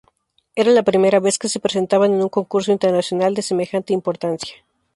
Era la primera vez que se presentaban en un concurso internacional de semejante importancia.